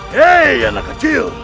hei anak kecil